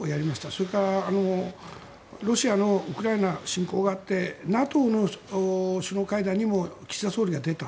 それからロシアのウクライナ侵攻があってＮＡＴＯの首脳会談にも岸田総理は出た。